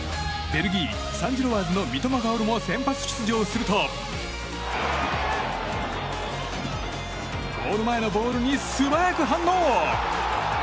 ベルギー・サンジロワーズの三笘薫も先発出場するとゴール前のボールに素早く反応。